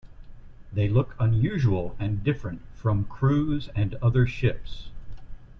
They look unusual and different from cruise and other ships.